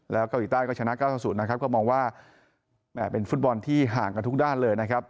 แล้วเกาหลีใต้ก็ชนะ๙๐นะครับก็มองว่าเป็นฟุตบอลที่ห่างกันทุกด้านเลยนะครับ